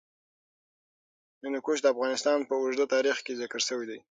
هندوکش د افغانستان په اوږده تاریخ کې ذکر شوی دی.